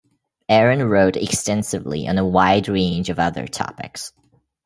Aron wrote extensively on a wide range of other topics.